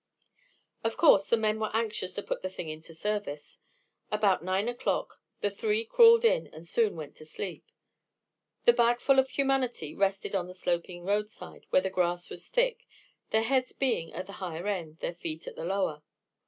Of course, the men were anxious to put the thing into service. About nine o'clock, the three crawled in and soon went to sleep. The bagful of humanity rested on the sloping roadside where the grass was thick, their heads being at the higher end, their feet at the lower.